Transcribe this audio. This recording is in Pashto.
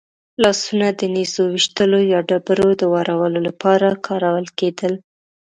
لاسونه د نېزو ویشتلو یا ډبرو د وارولو لپاره کارول کېدل.